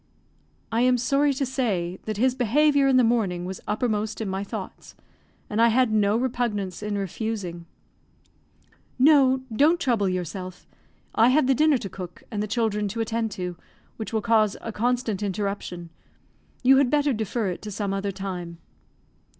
I am sorry to say that his behaviour in the morning was uppermost in my thoughts, and I had no repugnance in refusing. "No, don't trouble yourself. I have the dinner to cook, and the children to attend to, which will cause a constant interruption; you had better defer it to some other time."